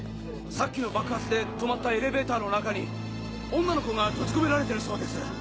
さっきの爆発で止まったエレベーターの中に女の子が閉じ込められてるそうです。